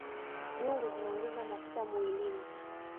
Nyugu zinaongeza mafuta muilini